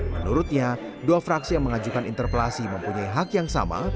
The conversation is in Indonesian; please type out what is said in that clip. menurutnya dua fraksi yang mengajukan interpelasi mempunyai hak yang sama